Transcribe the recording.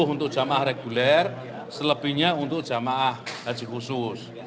untuk jemaah reguler selebihnya untuk jemaah haji khusus